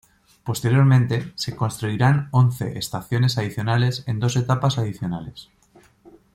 Posteriormente, se construirán once estaciones adicionales en dos etapas adicionales.